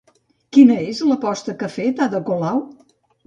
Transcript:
Quina és l'aposta que ha fet Ada Colau?